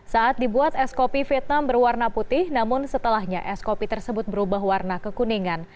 saat dibuat es kopi vietnam berwarna putih namun setelahnya es kopi tersebut berubah warna kekuningan